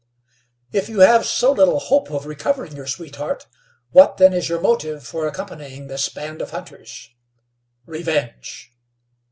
"If you have so little hope of recovering your sweetheart, what then is your motive for accompanying this band of hunters?" "Revenge!"